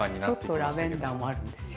ちょっとラベンダーもあるんですよ。